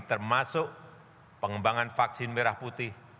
termasuk pengembangan vaksin merah putih